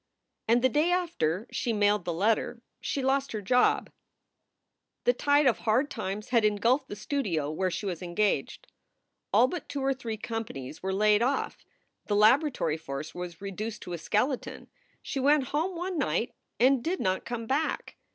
And the day after she mailed the letter she lost her job. The tide of hard times had engulfed the studio where she was engaged. All but two or three companies were laid off. The laboratory force was reduced to a skeleton. She went home one night and did not come back.